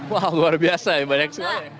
wah luar biasa ya mbak estiara